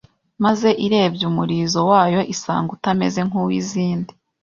maze irebye umulizo wayo isanga utameze nk'uw'izindi